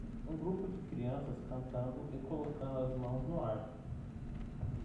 Um grupo de crianças cantando e colocando as mãos no ar